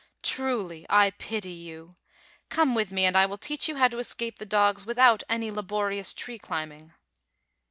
Truly, I pity you. Come with me and I will teach you how to escape the dogs without any la borious tree climbing."